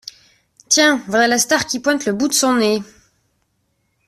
Tiens, voilà la star qui pointe le bout de son nez.